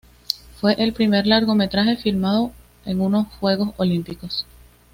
Fue el primer largometraje filmado en unos Juegos Olímpicos.